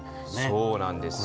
そうなんです。